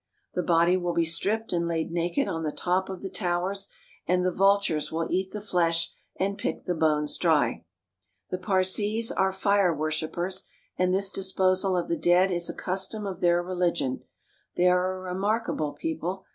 The body will be stripped and laid naked on the top of the Towers, and the vultures will eat the flesh and pick the bones dry. The Parsees are fire worshipers, and this disposal of the dead is a custom of their religion. They are a remarkable people.